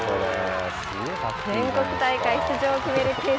全国大会出場を決める